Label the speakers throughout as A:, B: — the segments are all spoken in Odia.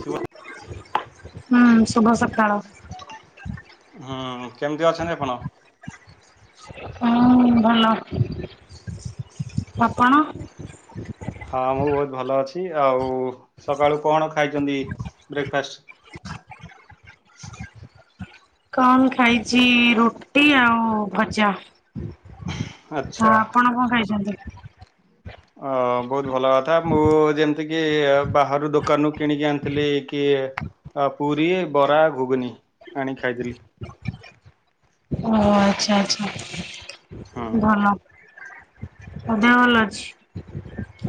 A: ଶୁଭ
B: ହୁଁ ଶୁଭ ସକାଳ।
A: ହୁଁ କେମିତି ଅଛନ୍ତି ଆପଣ?
B: ହଁ ଭଲ। ଆପଣ?
A: ହଁ ମୁଁ ବହୁତ ଭଲ ଅଛି, ଆଉ ସକାଳୁ କଣ ଖାଇଛନ୍ତି ବ୍ରେକ୍ଫାଷ୍ଟ୍?
B: କଣ ଖାଇଛି, ରୁଟି ଆଉ ଭଜା।
A: ଆଚ୍ଛା।
B: ଆଉ ଆପଣ କଣ ଖାଇଛନ୍ତି?
A: ହଁ ବହୁତ ଭଲ କଥା, ମୁଁ ଯେମିତିକି ବାହାରୁ ଦୋକାନରୁ କିଣିକି ଆଣିଥିଲି କି ଆଉ ପୁରୀ, ବରା, ଘୁଗୁନି ଆଣିକି ଖାଇଥିଲି।
B: ଓ ଆଚ୍ଛା
A: ହୁଁ।
B: ଆଚ୍ଛା ଭଲ। ଆଉ ଦେହ ଭଲ ଅଛି?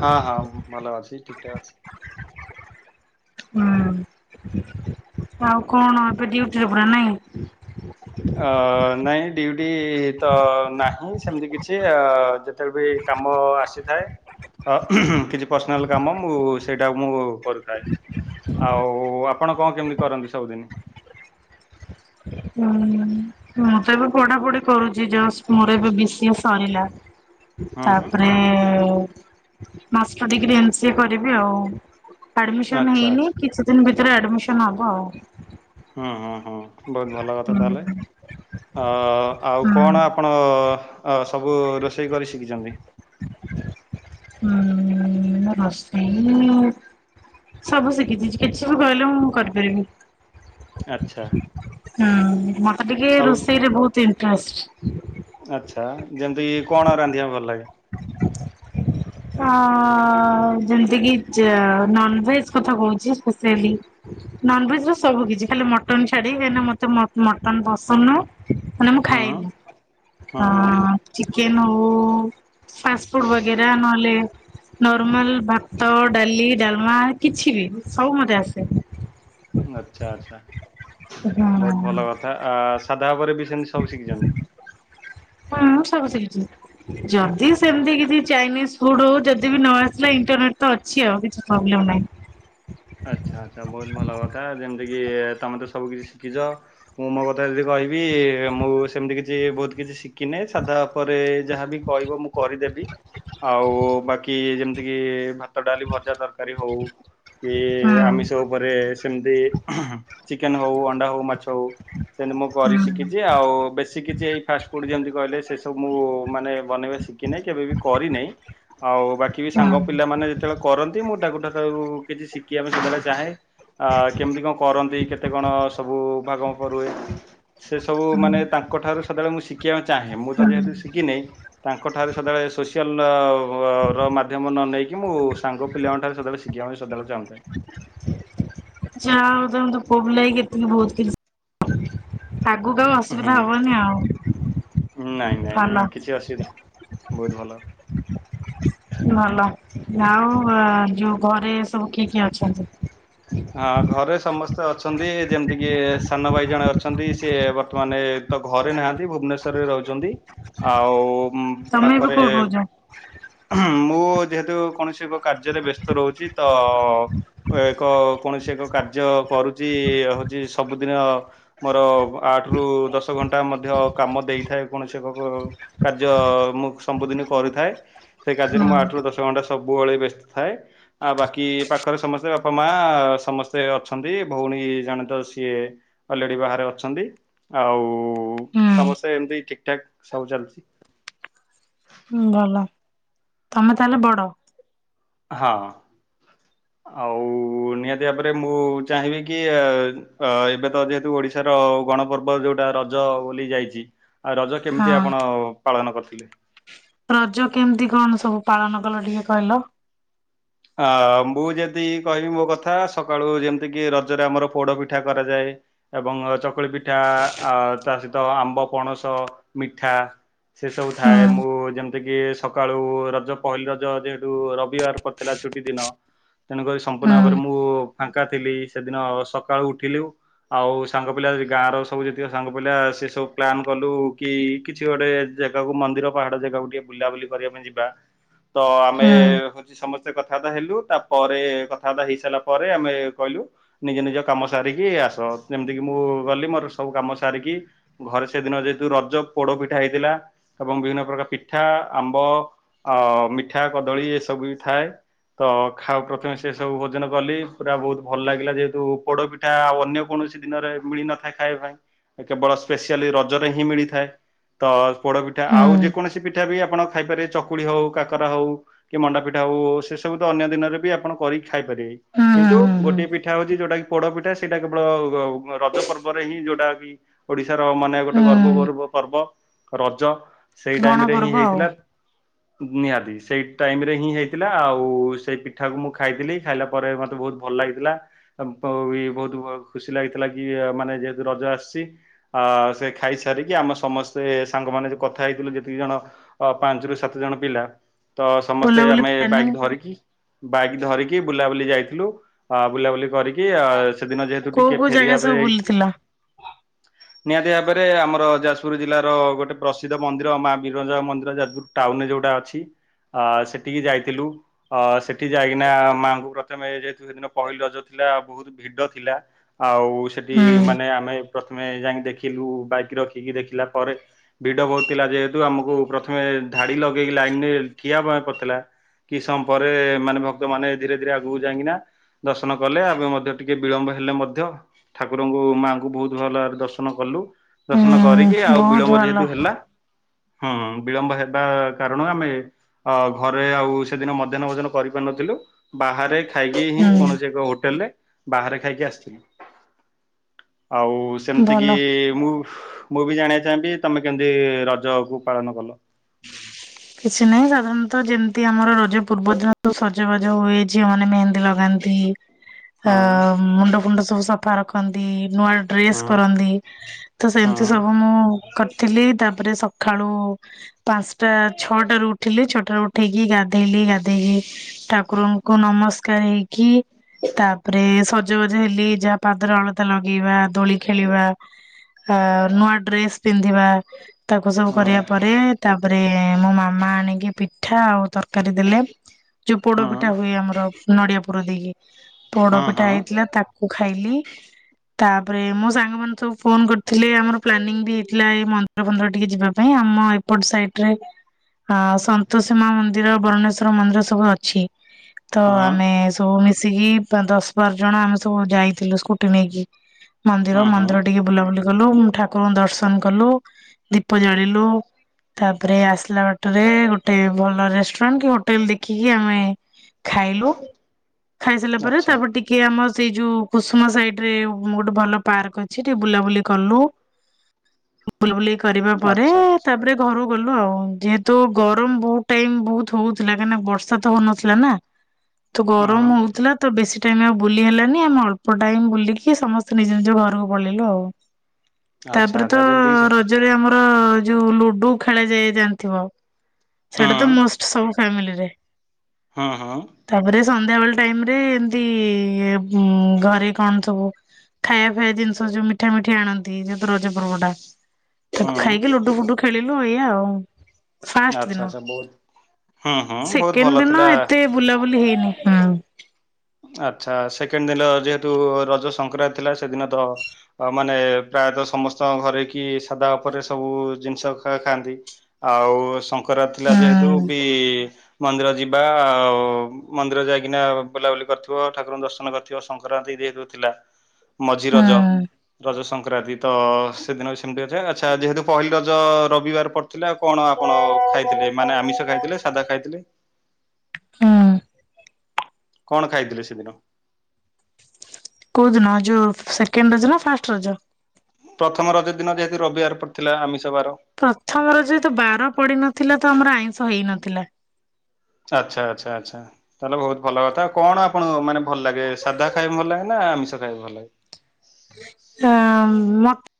A: ହଁ- ହଁ ଭଲ ଅଛି, ଠିକ୍ ଠାକ୍ ଅଛି।
B: ହୁଁ ଆଉ କଣ, ଏବେ ଡିୟୁଟିରେ ପୁରା ନାଇଁ।
A: ଅ ନାଇଁ ଡିୟୁଟି ତ ନାହିଁ, ସେମିତି କିଛି ଅ ଯେ [unintelligible] ବି କାମ ଆସିଥାଏ। ହଁ କିଛି ପର୍ସନାଲ କାମ, ମୁଁ ସେଇଟାକୁ ମୁଁ କରୁଥାଏ। ଆଉ ଆପଣ କଣ କେମିତି କରନ୍ତି ସବୁଦିନି?
B: ଉଁ। ମୁଁ ତ ଏବେ ପଢାପଢି କରୁଛି ଜଷ୍ଟ୍, ମୋର ଏବେ ବି ସି ଏ ସରିଲା।
A: ହୁଁ ହୁଁ
B: ତାପରେ master degree M C A କରିବି ଆଉ। ଆଡ଼ମିଶନ୍
A: ଆଚ୍ଛା
B: ହେଇନି,
A: ଆଚ୍ଛା
B: କିଛି ଦିନି ଭିତରେ ଆଡ଼ମିଶନ୍ ହବ ଆଉ।
A: ହଁ - ହଁ - ହଁ ବହୁତ ଭଲ କଥା
B: ହୁଁ
A: ତାହେଲେ। ହଁ ଆଉ
B: ହୁଁ।
A: କଣ ଆପଣ ସବୁ ରୋଷେଇ କରି ଶିଖିଛନ୍ତି?
B: ଉଁ- ଉଁ ମୁଁ ରୋଷେଇ ସବୁ ଶିଖିଛି, କିଛି ବି କହିଲେ ମୁଁ କରିପାରିବି।
A: ଆଚ୍ଛା।
B: ହୁଁ ମତେ ଟିକେ
A: ସବୁ
B: ରୋଷେଇରେ ବହୁତ ଇଣ୍ଟେରେଷ୍ଟ୍।
A: ଆଚ୍ଛା ଯେମିତି କଣ ରାନ୍ଧିବା ବା କୁ ଭଲଲାଗେ?
B: ହଁ ଯେମିତି କି ନନଭେଜ୍ କଥା କହୁଛି ସ୍ପେ୍ସିଆଲି। ନନଭେଜ୍ ର ସବୁ କିଛି ଖାଲି ମଟନ୍ ଛାଡି କାହିଁକି ନା ମତେ ମଟନ ପସନ୍ଦ ନୁହଁ। ମାନେ ମୁଁ
A: ହୁଁ
B: ଖାଏନି
A: ହୁଁ ହୁଁ
B: ଚିକେନ୍ ହଉ ଫାଷ୍ଟ୍ ଫୁଡ଼୍ ବଗେରା ନହଲେ ନର୍ମାଲ ଭାତ, ଡାଲି, ଡାଲମା, କିଛି ବି ସବୁ ମତେ ଆସେ।
A: ଆଚ୍ଛା ଆଚ୍ଛା ବହୁତ
B: ହଁ
A: ଭଲ କଥା ଆ ସାଧାଉପରେ ବି ସେମିତି ସବୁ ଶିଖିଛନ୍ତି।
B: ହୁଁ ସବୁ ଶିଖିଛି ଜଦି ସେମିତି କିଛି ଚାଇନିସ ଫୁଡ୍ ହଉ ଯଦି ବି ନ ଆସିଲା ଇଣ୍ଟରନେଟ୍ ତ ଅଛି ଆଉ କିଛି ପ୍ରୋବ୍ଲେମ୍ ନାହିଁ।
A: ଆଚ୍ଛା ଆଚ୍ଛା ବହୁତ ଭଲ କଥା ଯେମିତିକି ତମେ ତ ସବୁ କିଛି ଶିଖିଛ। ମୁଁ ମୋ କଥା ଯଦି କହିବି ମୁଁ ସେମିତି କିଛି ବହୁତ କିଛି ଶିଖି କିନେ ସାଧା ଉପରେ ଯାହାବି କହିବ ମୁଁ କରିଦେବି ଆଉ ବାକି ଯେମତି ଇଏ ଭାତ ଡାଲି ଭଜା ତରକାରୀ ହଉ କି
B: ହୁଁ
A: ଆମିଷ ଉପରେ ସେମିତି ଚିକେନ୍ ହଉ ଅଣ୍ଡା ହଉ ମାଛ ହଉ ସେମିତି ମୁଁ କରି
B: ହୁଁ।
A: ଶିଖିଛି ଆଉ ବେଶି କିଛି ଏଇ ଫାଷ୍ଟ୍ ଫୁଡ୍ ଯେମତି କହିଲେ ସେ ସବୁ ମୁଁ ମାନେ ବନେଇବା ଶିଖିିନାହିଁ କେବେ ବି କରିନାହିଁ। ଆଉ ବାକି ବି ସାଙ୍ଗ
B: ହୁଁ
A: ପିଲାମାନୋନ ଯେତେବେଳେ କରନ୍ତି ମୁଁ ତାଙ୍କଠାରୁ କିଛି ଶିଖିବା ପାଇଁ ସେତେବେଳେ ଚାହେଁ। ଆ କେମିତି କଣ କରନ୍ତି କେତେ କଣ ସବୁ ଭାଗ ମାପ ରୁହେ। ସେ ସବୁ ମାନେ ତାଙ୍କଠାରୁ ସେତେବେଳେ ମୁଁ ଶିଖିବାକୁ ଚାହେଁ ମୁଁ ତ
B: ହୁଁ
A: ଯେହେତୁ ଶିଖିନି। ତାଙ୍କଠାରେ ସଦାବେଳେ ସୋସିଆଲ ର ମାଧ୍ୟମ ନ ନେଇକି ମୁଁ ସାଙ୍ଗ ପିଲାଙ୍କ ଠାରୁ ସଦାବେଳେ ଶିଖିବା ପାଇଁ ସଦାବେଳେ ଚାହୁଁଥାଏ।
B: ଯାହା ହଉ ତମେତ ପୁଅ ପିଲା ହେଇକି ବହୁତ କିଛି ଆଗକୁ ଆ ଅସୁବିଧା ହବନି ଆଉ।
A: ନାଇଁ ନାଇଁ
B: ଭଲ
A: ନାଇଁ କିଛି ଅସୁବିଧା ବହୁତ ଭଲ
B: ଭଲ ଆଉ ଅ ଯୋଉ ଘରେ ସବୁ କିଏ କିଏ ଅଛନ୍ତି।
A: ହଁ ଘରେ ସମସ୍ତେ ଅଛନ୍ତି ଯେମତି କିି ସାନ ଭାଇ ଜଣେ ଅଛନ୍ତି ସିଏ ବର୍ତ୍ତମାନ ଏ ତ ଘରେ ନାହାନ୍ତି ଭୁବନେସର ରେ ରହୁଛନ୍ତି ଆଉ ମ
B: ତମେ ଏବେ
A: ପାଖରେ
B: କୋଉଠି ରହୁଛ?
A: ମୁଁ ଯେହେତୁ କୌଣସି ଏକ କାର୍ଯ୍ୟରେ ବ୍ୟସ୍ତ ରହୁଛି ତ ଏକ କୌଣସି ଏକ କାର୍ଯ୍ୟ କରୁଛି ହଉଛି ସବୁଦିନ ମୋର ଆଠ ରୁ ଦଶ ଘଣ୍ଟା ମଧ୍ୟ କାମ ଦେଇଥାଏ କୌଣସି ଏକ କାର୍ଯ୍ୟ ମୁଁ ସବୁଦିନ କରିଥାଏ। ସେ କାର୍ଯ୍ୟରେ ମୁଁ ଆଠ ରୁ ଦଶ ଘଣ୍ଟା ସବୁବେଳେ ବ୍ୟସ୍ତ ଥାଏ। ଆଉ ବାକି ପାଖରେ ସମସ୍ତେ ବାପା ମା ସମସ୍ତେ ଅଛନ୍ତି ଭଉଣୀ ଜଣେ ତ ସିଏ ଅଲରେଡ଼ି ବାହାରେ ଅଛନ୍ତି। ଆଉ
B: ହୁଁ।
A: ସମସ୍ତେ ଏମିତି ଠିକ୍ ଠାକ୍ ସବୁ ଚାଲିଛି।
B: ହୁଁ ଭଲ ତମେ ତାହେଲେ ବଡ
A: ହଁ। ଆଉ ନିହାତି ଭାବରେ ମୁଁ ଚାହିଁବି କି ଅ। ଅ ଏବେ ତ ଯେହେତୁ ଓଡିଶାର ଗଣପର୍ବ ଯୋଉଟା ରଜ ବୋଲି ଯାଇଛି। ଆଉ ରଜ
B: ହଁ
A: କେମିତି ଆପଣ ପାଳନ କରିଥିଲେ।
B: ରଜ କେମିତି କଣ ସବୁ ପାଳନ କଲ ଟିକେ କହିଲ।
A: ଅ ମୁଁ ଯଦି କହିବି ମୋ କଥା ସକାଳୁ ଯେମିତି କିି ରଜରେ ଆମର ପୋଡ ପିଠା କରାଯାଏ। ଏବଂ ଚକୁଳି ପିଠା ଆ ତା ସହିତ ଆମ୍ବ ପଣସ ମିଠା ସେ ସବୁ
B: ହୁଁ
A: ଥାଏ ମୁଁ ଯେମିତିକି ସକାଳୁ ରଜ ପହିଲି ରଜ ଯେହେତୁ ରବିବାର ଥିଲା ଛୁଟି ଦିନ। ତେଣୁକରି
B: ହୁଁ
A: ସମ୍ପୂର୍ଣ୍ଣ ଭାବରେ ମୁଁ ଫାଙ୍କା ଥିଲି ସେଦିନ ସକାଳୁ ଉଠିଲିଉ। ଆଉ ସାଙ୍ଗ ପିଲା ଗାଁର ସବୁ ଯେତିକି ସାଙ୍ଗ ପିଲା ସେ ସବୁ ପ୍ଲାନ୍ କଲୁ କି କିଛି ଗୋଟେ ଜାଗାକୁ ମନ୍ଦିର ପାହାଡ ଜାଗାକୁ ଟିକେ ବୁଲାବୁଲି କରିବା ପାଇଁ ଯିବା। ତ ଆମେ
B: ହୁଁ।
A: ହଉଛି ସମସ୍ତେ ସେ କଥାବାର୍ତ୍ତା ହେଲୁ ତା ପରେ କଥାବାର୍ତ୍ତା ହେଇ ସାରିଲା ପରେ ଆମେ କହିଲୁ ନିଜ ନିଜ କାମ ସାରିକି ଆସ ଯେମିତିକି ମୁଁ ଗଲି ମୋର ସବୁ କାମ ସାରିକି ଘରେ ସେଦିନ ଯେହେତୁ ରଜ ପୋଡ ପିଠା ହେଇଥିଲା। ଏବଂ ବିଭିନ୍ନ ପ୍ରକାର ପିଠା ଆମ୍ବ ଅ ମିଠା କଦଳୀ ଏସବୁ ବି ଥାଏ। ତ ଖାଉ ପ୍ରଥମେ ସେ ସବୁ ଭୋଜନ କଲି ପୁରା ବହୁତ ଭଲ ଲାଗିଲା ଯେହେତୁ ଉ ପୋଡ଼ ପି ଠା ଅନ୍ୟ କୌଣସି ଦିନରେ ମିଳି ନଥାଏ ଖାଇବା ପାଇଁ କେବଳ ସ୍ପେଶଆଲି ରଜରେ ହିଁ ମିଳିଥାଏ ତ ପୋଡପିଠା
B: ହୁଁ ହୁଁ
A: ଆଉ ଯେକୌଣସି ପିଠା ବି ଆପଣ ଖାଇପାରିବେ ଚକୁଳି ହଉ କାକରା ହଉ କି ମଣ୍ଡା ପିଠା ହଉ ସେ ସବୁ ତ ଅନ୍ୟ ଦିନରେ ବି ଆପଣ କରିକି ଖାଇପାରିବେ
B: ହୁଁ
A: କିନ୍ତୁ
B: ହୁଁ
A: ଗୋଟିଏ ପି ପିଠା ହଉଛି ଯୋଉଟା କି ପୋଡ ପିଠା ସେଇଟା କେବଳ ରଜ ପର୍ବରେ ହିଁ ଯୋଉଟା କି ଓଡିଶାର ମାନେ
B: ହୁଁ
A: ଗୋଟେ ଗର୍ବ
B: ହୁଁ
A: ଗୌରବ ପର୍ବ ରଜ ସେଇ
B: ଗଣ
A: ଟାଇମ ରେ ହିଁ
B: ପର୍ବ ଆଉ
A: ହେଇଥିଲା। ନିହାତି ସେଇ ଟାଇମ ରେ ହିଁ ହେଇଥିଲା ଆଉ ଆଉ ସେଇ ପିଠା କୁ ମୁଁ ଖାଇଥିଲି ଖାଇଲା ପରେ ମତେ ବହୁତ ଭଲ ଲାଗିଥିଲା। ବହୁତ ଖୁସି ଲାଗିଥିଲା କି ମାନେ ଯେହେତୁ ରଜ ଆସିଛି। ଆ ସେ ଖାଇସାରିକି ଆମେ ସମସ୍ତେ ସାଙ୍ଗମାନେ କଥା ହେଇଥିଲୁ ଯେତିକି ଜଣ ଅ ପାଞ୍ଚରୁ ସାତ ଜଣ ପିଲା ତ ସମସ୍ତେ
B: ବୁଲାବୁଲି
A: ଆମେ
B: ପ୍ଲାନିଂ
A: ବାଇକ୍ ବାଇକ୍ ଧରିକି ବୁଲାବୁଲି ଯାଇଥିଲୁ ବୁଲାବୁଲି କରି ଆ ସେଦିନ ଯେହେତୁ
B: କୋଉ
A: ଟିକେ
B: କୋଉ
A: ଫେରିବା
B: ଜାଗା ସବୁ
A: ପାଇଁ
B: ବୁଲିଥିଲ?
A: ନିହାତି ଭାବରେ ଆମର ଯାଜପୁର ଜିଲ୍ଲାର ଗୋଟେ ପ୍ରସିଦ୍ଧ ମନ୍ଦିର ମା ବୀରଜା ମନ୍ଦିର ଯାଜପୁର ଟାଉନରେ ଯୋଉଟା ଅଛି ଆ ସେଠିକି ଯାଇଥିଲୁ। ଅ ସେଠି ଯାଇକିନା ମାଆଙ୍କୁ ପ୍ରଥମେ ଯେହେତୁ ସେଦିନ ପହିଲି ରଜ ଥିଲା ବହୁତ ଭିଡ ଥିଲା। ଆଉ ସେଠି
B: ହୁଁ
A: ମାନେ ଆମେ ପ୍ରଥମେ ଯାଇକି ଦେଖିଲୁ ବାଇକ ରଖିକି ଦେଖିଲା ପରେ ଭିଡ ବହୁ ଥିଲା ଯେହେତୁ ଆମକୁ ପ୍ରଥମେ ଧାଡି ଲଗେଇକି ଲାଇନରେ ଠିଆହବା କଥିଲା। କି ସମ ପରେ ମାନେ ଭକ୍ତ ମାନେ ଧୀରେ ଧୀରେ ଆଗକୁ ଯାଇକିନା ଦର୍ଶନ କଲେ ଆବେ ମଧ୍ୟ ଟିକେ ବିଳମ୍ବ ହେଲେ ମଧ୍ୟ ଠାକୁରଙ୍କୁ ମାଆଙ୍କୁ ବହୁତ ଭଲଭାବରରେ ଦର୍ଶନ କଲୁ ଦର୍ଶନ କରିକି
B: ହୁଁ
A: ଆଉ
B: ବହୁତ
A: ବିଳମ୍ବ
B: ଭଲ
A: ଯେହେତୁ ହେଲା ହଁ ବିଳମ୍ବ ହେବା କାରଣ ଆମେ ଅ ଘରେ ଆଉ ସେଦିନ ମଧ୍ୟାହ୍ନ ଭୋଜନ କରିପାରୁ ନଥିଲୁ ବାହାରେ ଖାଇକି ହିଁ କୌଣସି
B: ହୁଁ
A: ଏକ ହୋଟେଲ ରେ ବାହାରେ ଖାଇକି ଆସିଥିଲୁ ଆଉ ସେମିତିକି
B: ଭଲ।
A: ମୁଁ ମୁଁ ବି ଜାଣିବାକୁ ଚାହିଁବି ତମେ କେମିତି ରଜକୁ ପାଳନ କଲ।
B: କିଛି ନାହିଁ ସାଧାରଣତଃ ଯେମିତି ଆମର ରଜ ପୂର୍ବ ଦିନ ସଜବାଜ ହୁଏ ଝିଅ ମାନେ ମେହେନ୍ଦୀ ଲଗାନ୍ତି।
A: ହୁଁ [unintelligible]
B: ଅ ମୁଣ୍ଡ ଫୁଣ୍ଡ ସବୁ ସଫା ରଖନ୍ତି ନୂଆ ଡ୍ରେସ
A: ହଁ
B: କରନ୍ତି। ତ
A: ହଁ
B: ସେମିତି ସବୁ ମୁଁ କରିଥିଲି ତାପରେ ସକାଳୁ ପାଞ୍ଚଟା ଛଅଟାରୁ ଉଠିଲି ଛଅଟାରୁ ଉଠେଇକି ଗାଧେଇଲି ଗାଧେଇକି ଠାକୁରଙ୍କୁ ନମସ୍କାର ହେଇକି ତାପରେ ସଜବାଜ ହେଲି ଯାହା ପାଦର ଅଳତା ଲଗେଇବା ଦୋଳି ଖେଳିବା ଆ ନୂଆ ଡ୍ରେସ ପିନ୍ଧିବା ତାକୁ ସବୁ
A: ହଁ
B: କରିବା ପରେ ତାପରେ ଆଜ୍ଞା ପିଠା ଆଉ ତରକାରୀ ଦେଲେ ଯୋଉ ପୋଡ
A: ହଁ
B: ପିଠା ହୁଏ ଆମର ନଡିଆ ପୁର ଦେଇକି
A: ହଁ
B: ପୋଡ
A: ହଁ
B: ପିଠା ହେଇଥିଲା ତାକୁ ଖାଇଲି। ତାପରେ ମୋ ସାଙ୍ଗ ମାନେ ସବୁ ଫୋନ କରିଥିଲେ ଆମର ପ୍ଲାନିଂ ବି ହେଇଥିଲା ଏ ମ ମନ୍ଦିର ଫନ୍ଦିର ଟିକେ ଯିବା ପାଇଁ ଆମ ଏପର୍ଟ ସାଇଟ୍ ରେ ଅ ସନ୍ତୋଷୀମା ମନ୍ଦିର ବରୁଣେଶ୍ଵର ମନ୍ଦିର ସବୁ ଅଛି। ତ
A: ହଁ
B: ଆମେ ସବୁ ମିଶିକି ପା ଦଶ ବାର ଜଣ ଆମେ ସବୁ ଯାଇଥିଲୁ ସ୍କୁଟି ନେଇକି। ମନ୍ଦିର
A: ହଁ ହଁ
B: ମନ୍ଦିର ଟିକେ ବୁଲାବୁଲି କଲୁ ଠାକୁରଙ୍କୁ ଦର୍ଶନ କଲୁ ଦୀପ ଜାଳିଲୁ। ତାପରେ ଆସିଲା ବାଟରେ ଗୋଟେ ଭଲ ରେଷ୍ଟୁରାଣ୍ଟ କି ହୋଟେଲ ଦେଖିକି ଆମେ ଖାଇଲୁ ଖାଇସାରିଲା ପରେ
A: ଆଚ୍ଛା
B: ତାପରେ ଟି କିଏ ଆମ ସେଇ ଯୋଉ କୁସୁମା ସାଇଡ ରେ ଗୋଟେ ଭଲ ପାର୍କ ଅଛି ଟିକେ ବୁଲାବୁଲି କଲୁ।
A: [unintelligible]
B: ବୁଲୁବୁଲି କରିବା ପରେ
A: ଆଚ୍ଛା ଆଚ୍ଛା
B: ତାପରେ ଘରୁ ଗଲୁ ଆଉ ଯେହେ ତୋ ଗରମ ବୋହୁତ ଟାଇମ ବୋହୁତ ହୋଉଥିଲା କାହିଁକିନା ବର୍ଷା ତ ହୋଉନଥିଲା ନା। ତ
A: ହଁ
B: ଗରମ ହୋଉଥିଲା। ତ ବେଶୀ ଟାଇମ ଆଉ ବୁଲି ହେଲାନି ଆମେ ଅଳ୍ପ ଟାଇମ ବୁଲିକି ସମସ୍ତେ ନିଜ ନିଜ ଘରକୁ ପଳେଇଲୁ ଆଉ।
A: [unintelligible]
B: ତାପରେ ତ
A: ଆଚ୍ଛା ଯେମିତି କି ସେ
B: ରଜରେ ଆମର ଯୋଉ ଲୁଡୁ ଖେଳ ଯାଇଏ ଜାଣିଥିବ? ସେଇଟା ତ
A: ହଁ
B: ମଷ୍ଟ ସବୁ ଫେମେଲିରେ।
A: ହଁ ହଁ।
B: ତାପରେ ସନ୍ଧ୍ୟାବେେଳେ ଟାଇମ ରେ ଏମତି ଘରେ କଣ ସବୁ ଖାଇବା ଫାଇବା ଜିନିଷ ଯୋଉ ମିଠା ମିଠି ଆଣନ୍ତି ଯେହେତୁ ରଜ ପର୍ବ। ତାକୁ
A: ହଁ
B: ଖାଇକି ଲୁଡୁ ଫୁଡୁ ଖେଳିଲୁ ଏଇଆ ଆଉ। ପା
A: ଆଚ୍ଛା ଆଚ୍ଛା ବୋହୁତ ହୁଁ ହୁଁ ବୋହୁତ
B: ସେକେଣ୍ଡ
A: ଭଲ
B: ଦିନ
A: ଥିଲା।
B: ଏତେ ବୁଲାବୁଲି ହେଇନି ହୁଁ।
A: ଆଚ୍ଛା ସେକେଣ୍ଡ ଦିନ ଯେହେତୁ ରଜ ସଂକ୍ରାନ୍ତି ଥିଲା ସେଦିନ ତ ମାନେ ପ୍ରାୟତଃ ସମସ୍ତଙ୍କ ଘରେ କି ସାଧା ଉପରେ ସବୁ ଜିନିଷ ଖା ଖାଆନ୍ତି ଆଉ ସଙ୍କ ଖରାପ ଥିଲା ଯେହେତୁ
B: ହୁଁ
A: ବି ମନ୍ଦିର ଯିବା ଆଉ ମନ୍ଦିର ଯାଇକିନା ବୁଲାବୁଲି କରିଥିବ ଠାକୁରଙ୍କୁ ଦର୍ଶନ କରିଥିବ ସଂକ୍ରାନ୍ତି ଯେହେତୁ ଥିଲା। ମଝି ରଜ
B: ହୁଁ
A: ରଜ ସଂକ୍ରାନ୍ତି। ତ ସେଦିନ ବି ସେମିତି ଅଛି ଆଚ୍ଛା ଯେହେତୁ ପହିଲି ରଜ ରବିବାର ପଡୁ ଥିଲେ ଆଉ କଣ ଆପଣ ଖାଇଥିଲେ ମାନେ ଆମିଷ ଖାଇଥିଲେ ସାଧା ଖାଇଥିଲେ?
B: ହୁଁ।
A: କଣ ଖାଇଥିଲେ ସେଦିନ?
B: କୋଉଦିନ ଯୋଉ ସେକେଣ୍ଡ ରଜ ନା ଫାଷ୍ଟ ରଜ?
A: ପ୍ରଥମ ରଜ ଦିନ ଯେହେତୁ ରବିବାର ପଡିଥିଲା ଆମିଷ ବାର।
B: ପ୍ରଥମ ରଜରେ ତ ବାର ପଡି ନଥିଲା ତ ଆମର ଆଇଁଷ ହେଇନଥିଲା।
A: ଆଚ୍ଛା ଆଚ୍ଛା ଆଚ୍ଛା ଆଚ୍ଛା। ତାହେଲେ ବୋହୁତ ଭଲ କଥା କଣ ଆପଣଙ୍କୁ ମାନେ ଭଲ ଲାଗେ ସାଧା ଖାଇବାକୁ ଭଲ ଲାଗେ ନା ଆମିଷ ଖାଇବାକୁ ଭଲ ଲାଗେ?
B: ହଁ ମତେ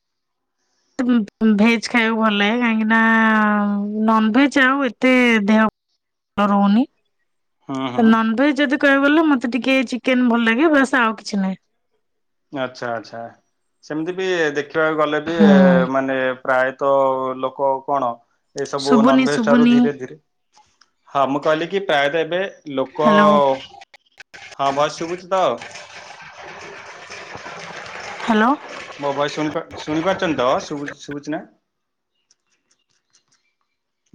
B: ଭେଜ ଖାଇବାକୁ ଭଲ ଲାଗେ କାହିଁକି ନା ନନଭେଜ ଆଉ ଏତେ ଦେହ ରହୁନି।
A: ହୁଁ ହୁଁ
B: ନନଭେଜ ଯଦି କହିବାକୁ ଗଲେ ମତେ ଟିକେ ଚିକେନ ଭଲ ଲାଗେ ବାସ୍ ଆଉ କିଛି ନାହିଁ।
A: ଆଚ୍ଛା ଆଚ୍ଛା ସେମିତି ବି ଦେଖିବାକୁ ଗଲେ ବି
B: ହୁଁ
A: ମାନେ ପ୍ରାୟତଃ ଲୋକ କଣ ଏ ସବୁ
B: ଶୁଭୁନି
A: ନନଭେଜ ଠାରୁ
B: ଶୁଭୁନି
A: ଧୀରେ ଧୀରେ ହଁ ମୁଁ କହିଲି କି ପ୍ରାୟତଃ ଏବେ ଲୋକ
B: ହ୍ୟାଲୋ
A: ହଁ ଭସ୍ ଶୁଭୁଛି ତ?
B: ହ୍ୟାଲୋ।
A: ମୋ ଭୟସ ସୁଣି ଶୁଣି ପାରୁଛନ୍ତି ତ ସୁବୁ ଶୁବୁଚି ଶୁଭୁଛିି ନା।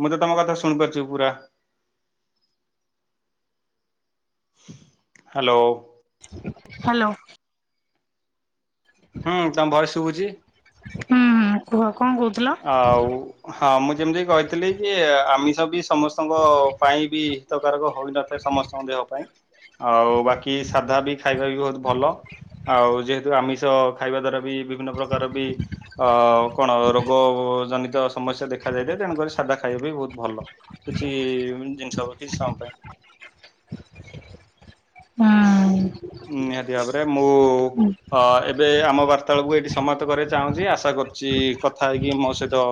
A: ମୁଁ ତ ତମ କଥା ଶୁଣିପାରୁଚି ପୁରା। ହ୍ୟାଲୋ।
B: ହ୍ୟାଲୋ। [inaudible]
A: ହୁଁ ତମ ଭଏସ ଶୁଭୁଛି।
B: ହୁଁ ହୁଁ କୁହ କଣ କହୁଥିଲ?
A: ଆଉ ହଁ ମୁଁ ଯେମିତି କହିଥିଲି କି ଆମିଷ ବି ସମସ୍ତଙ୍କ ପାଇଁ ବି ହିତକାରକ ହୋଇନଥାଏ ସମସ୍ତଙ୍କ ଦେହ ପାଇଁ। ଆଉ ବାକି ସାଧା ବି ଖାଇବା ବି ବୋହୁତ ଭଲ ଆଉ ଯେହେତୁ ଆମି ଆମିଷ ଖାଇବା ଦ୍ଵାରା ବି ବିଭିନ୍ନ ପ୍ରକାର ବି ଅ କଣ ରୋଗ ଜନିତ ସମସ୍ୟା ଦେଖାାଯାଇଥାଏ ତେଣୁକରି ସାଧା ଖାଇବା ବି ବୋହୁତ ଭଲ କିଛି ଜିନିଷ କିଛି ସମୟ ପାଇଁ
B: ହୁଁ।
A: ନିହାତି ଭାବରେ ମୁଁ ଅ ଏବେ ଆମ ବାର୍ତ୍ତା ବଳକୁ ଏଇଠି ସମାପ୍ତ କରିବାକୁ ଚାହୁଁଛି ଆଶା କରୁଛି କଥା ହେଇକି ମୋ ସହିତ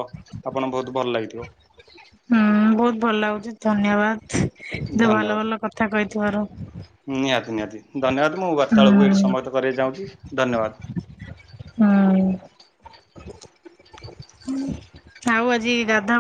A: ଆପଣକୁ ବହୁତ ଭଲ ଲାଗିଥିବ।
B: ହୁଁ ବହୁତ ଭଲ ଲାଗୁଛି ଧନ୍ୟବାଦ ଏତେ ଭଲ
A: ଧନ୍ୟବାଦ।
B: ଭଲ କଥା କହିଥିବାରୁ।
A: ନିହାତି ନିହାତି ଧନ୍ୟବାଦ ମୁଁ ବାର୍ତ୍ତାଆଳପକୁ ଏଇଠି
B: ହୁଁ
A: ସମୋହିତ କରିବାକୁ ଚାହୁଁଛି ଧନ୍ୟବାଦ।
B: ହୁଁ ଆଉ ଆଜି ଗାଧା